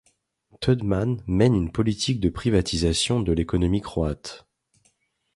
Tuđman mène une politique de privatisation de l'économie croate.